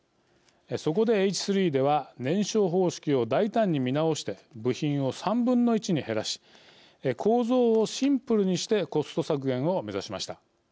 そこでＨ３では燃焼方式を大胆に見直して部品を３分の１に減らし構造をシンプルにしてコスト削減を目指しました。